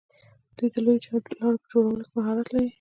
دوی د لویو لارو په جوړولو کې مهارت لري.